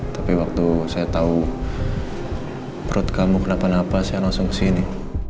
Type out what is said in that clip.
tapi waktu saya tahu perut kamu kenapa napa saya langsung ke sini